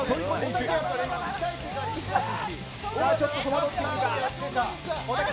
ちょっと戸惑っているか。